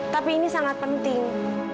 tapi ini sangat penting